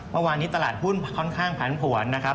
เมื่อวานนี้ตลาดหุ้นค่อนข้างผันผวนนะครับ